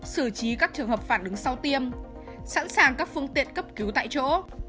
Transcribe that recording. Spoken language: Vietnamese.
xử trí các trường hợp phản ứng sau tiêm sẵn sàng các phương tiện cấp cứu tại chỗ